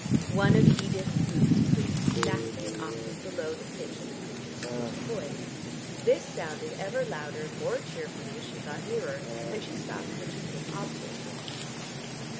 One of Edith's boots creaked exactly an octave below the pitch of the preacher's fluty voice. This sounded ever louder and more cheerfully as she got nearer, and she stopped when she came opposite to them.